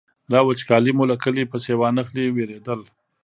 دا وچکالي مو له کلي پسې وانخلي وېرېدل.